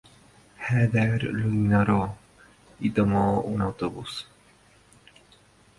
Heather lo ignora y toma un autobús.